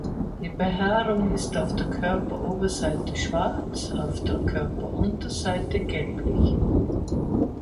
Die Behaarung ist auf der Körperoberseite schwarz, auf der Körperunterseite gelblich.